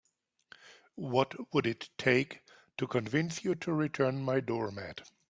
What would it take to convince you to return my doormat?